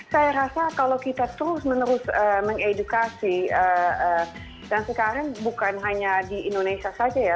saya rasa kalau kita terus menerus mengedukasi dan sekarang bukan hanya di indonesia saja ya